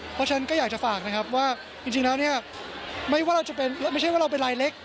เพราะฉะนั้นก็อยากจะฝากนะครับว่าจริงแล้วเนี่ยไม่ว่าเราจะเป็นไม่ใช่ว่าเราเป็นรายเล็ก